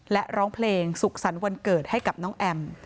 และร้องเพลงสุขสรรค์วันเกิดให้กับน้องแอม